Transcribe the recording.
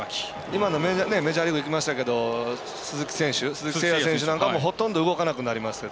今、メジャーリーグいきましたけど鈴木誠也選手なんかもほとんど動かなくなりました。